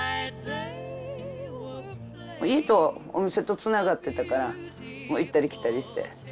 家とお店とつながってたから行ったり来たりして。